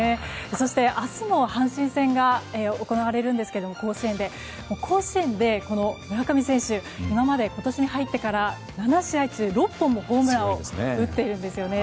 そして明日も甲子園で阪神戦が行われますが甲子園で村上選手今まで今年に入ってから７試合中６本もホームランを打っているんですよね。